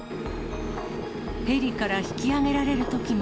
ヘリから引き上げられるときも。